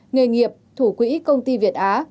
nghề nghiệp thủ quỹ công ty việt á